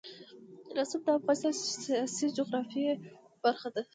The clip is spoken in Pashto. رسوب د افغانستان د سیاسي جغرافیه برخه ده.